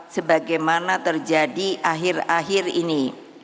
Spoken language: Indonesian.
sebagaimana terjadi akhir akhir ini